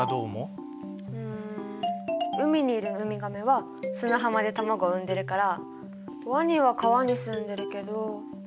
うん海にいるウミガメは砂浜で卵を産んでるからワニは川にすんでるけど○？